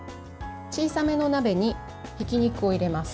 小さめのお鍋にひき肉を入れます。